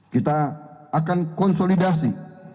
kita akan konsolidasi